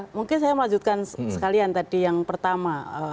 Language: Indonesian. mungkin saya melanjutkan sekalian tadi yang pertama